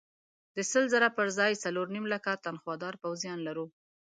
د سل زره پر ځای څلور نیم لکه تنخوادار پوځیان لرو.